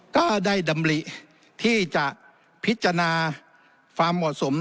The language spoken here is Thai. ก็ได้ดำริที่จะพิจารณาความเหมาะสม